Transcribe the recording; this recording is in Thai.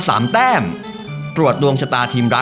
แล้วจะบอกว่า